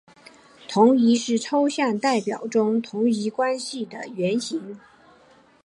同余是抽象代数中的同余关系的原型。